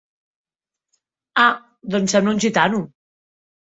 Ah, doncs sembla un gitano.